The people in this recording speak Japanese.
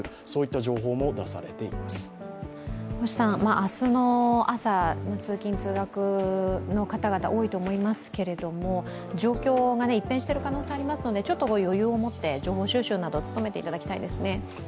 明日の朝の通勤・通学の方々、多いと思いますけども、状況が一変している可能性がありますので、ちょっと余裕を持って情報収集など、務めていただきたいですね。